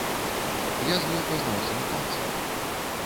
Я з ёй пазнаўся на танцах.